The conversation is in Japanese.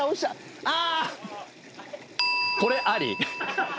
これあり？